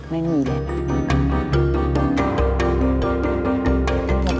ไม่มีเลย